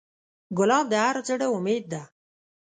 ګلاب د هر زړه امید ده.